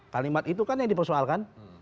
kalimat itu kan yang dipersoalkan